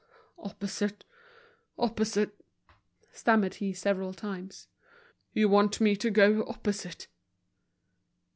"Opposite, opposite," stammered he several times. "You want me to go opposite?"